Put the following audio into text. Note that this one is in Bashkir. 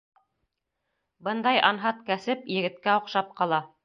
Бындай анһат кәсеп егеткә оҡшап ҡала.